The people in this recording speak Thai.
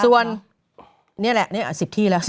ส่วนนี่แหละนี่๑๐ที่แล้ว